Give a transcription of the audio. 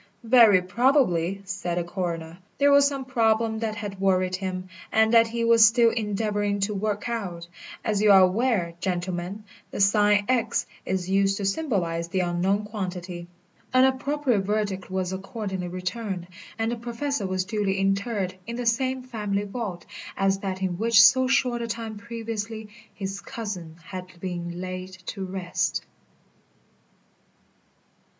"Very probably," said the coroner, "there was some problem that had worried him, and that he was still endeavouring to work out. As you are aware, gentlemen, the sign X is used to symbolise the unknown quantity." An appropriate verdict was accordingly returned, and the Professor was duly interred in the same family vault as that in which so short a time previously his cousin had been laid to rest.